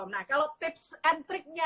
nah kalau tips and triknya